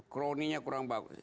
kroninya kurang bagus